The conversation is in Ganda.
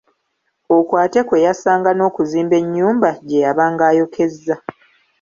Okwo ate kwe yassanga n’okuzimba ennyumba gye yabanga ayokezza.